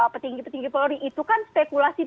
petinggi petinggi polri itu kan spekulasi